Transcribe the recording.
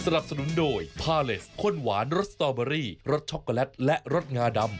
สนุนโดยพาเลสข้นหวานรสสตอเบอรี่รสช็อกโกแลตและรสงาดำ